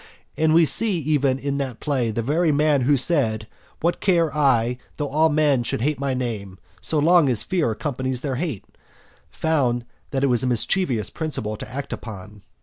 And we see that, even in the play, the very man who said, "What care I though all men should hate my name, So long as fear accompanies their hate?" found that it was a mischievous principle to act upon.